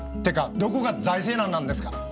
てかどこが財政難なんですか？